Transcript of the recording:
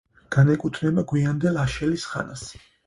განეკუთვნება გვიანდელ აშელის ხანას.